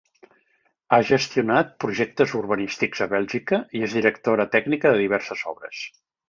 Ha gestionat projectes urbanístics a Bèlgica i és directora tècnica de diverses obres.